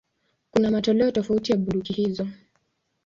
Kuna matoleo tofauti ya bunduki hizo.